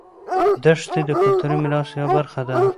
دښتې د کلتوري میراث یوه برخه ده.